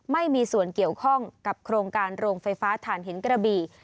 ไม่มีส่วนเกี่ยวข้องกับโครงการโรงไฟฟ้าฐานหินกระบี่